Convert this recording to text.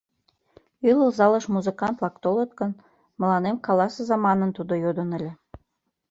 Ӱлыл залыш музыкант-влак толыт гын, мыланем каласыза манын, тудо йодын ыле.